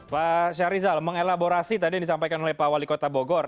pak syahrizal mengelaborasi tadi yang disampaikan oleh pak wali kota bogor